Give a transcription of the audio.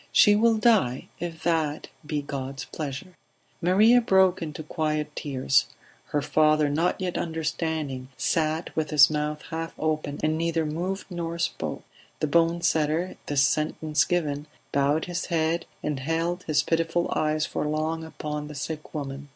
"She will die if that be God's pleasure." Maria broke into quiet tears; her father, not yet understanding, sat with his mouth half open, and neither moved nor spoke. The bone setter, this sentence given, bowed his head and held his pitiful eyes for long upon the sick woman.